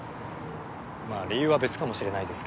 まぁ理由は別かもしれないです